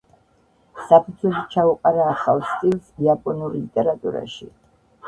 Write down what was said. საფუძველი ჩაუყარა ახალ სტილს იაპონურ ლიტერატურაში.